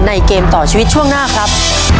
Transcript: เกมต่อชีวิตช่วงหน้าครับ